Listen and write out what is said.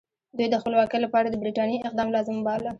دوی د خپلواکۍ لپاره د برټانیې اقدام لازم باله.